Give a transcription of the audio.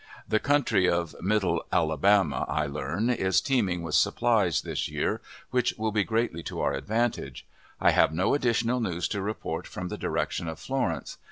The country of Middle Alabama, I learn, is teeming with supplies this year, which will be greatly to our advantage. I have no additional news to report from the direction of Florence.